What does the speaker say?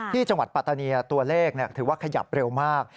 ที่จังหวัดปัตตานียาตัวเลขถือว่าขยับเร็วมาก